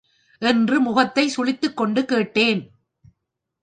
என்று முகத்தைச் சுளித்துக் கொண்டு கேட்டேன்.